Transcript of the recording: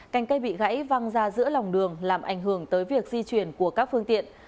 cành cây bị gãy văng ra giữa lòng đường làm ảnh hưởng tới việc di chuyển của các phương tiện